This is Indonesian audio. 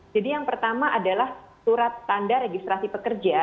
jadi yang pertama adalah surat tanda registrasi pekerja